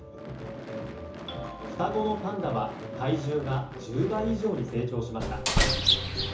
双子のパンダは体重が１０倍以上に成長しました。